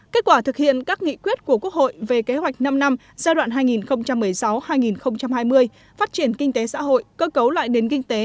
kết quả thực hiện các nghị quyết của quốc hội về kế hoạch năm năm giai đoạn hai nghìn một mươi sáu hai nghìn hai mươi phát triển kinh tế xã hội cơ cấu lại đến kinh tế